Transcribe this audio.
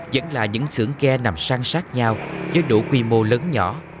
vẫn là những xưởng ghe nằm sang sát nhau với đủ quy mô lớn nhỏ